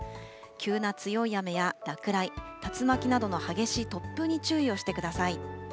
急な強い雨や落雷、竜巻などの激しい突風などに注意をしてください。